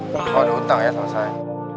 lo ada hutang ya sama saya